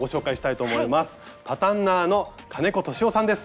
パタンナーの金子俊雄さんです。